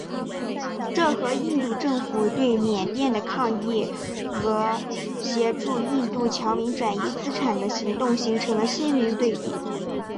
这和印度政府对缅甸的抗议和协助印度侨民转移资产的行动形成了鲜明对比。